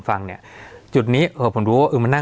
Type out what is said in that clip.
สวัสดีครับทุกผู้ชม